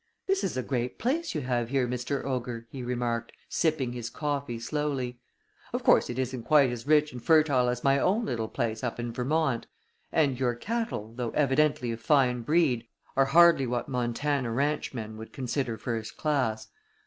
"This is a great place you have here, Mr. Ogre," he remarked, sipping his coffee slowly. "Of course, it isn't quite as rich and fertile as my own little place up in Vermont, and your cattle, though evidently of fine breed, are hardly what Montana ranch men would consider first class.